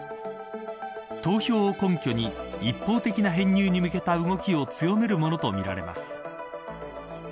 投票を根拠に一方的な編入に向けた動きを強めるものとみられます。